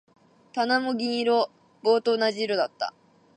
棚も銀色。棒と同じ色だった。